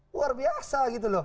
luar biasa gitu loh